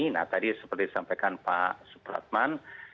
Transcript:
nah tadi seperti disampaikan pak supratman